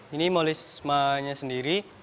ini molismanya sendiri